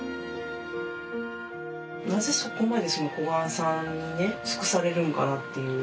なぜそこまで小雁さんにね尽くされるんかなっていう。